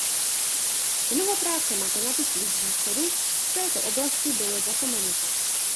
Mnoho práce matematiků z Východu v této oblasti bylo zapomenuto.